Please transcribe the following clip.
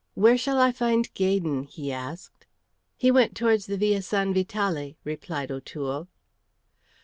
"Where shall I find Gaydon?" he asked. "He went towards the Via San Vitale," replied O'Toole.